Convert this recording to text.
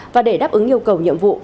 và để đáp ứng yêu cầu nhiệm vụ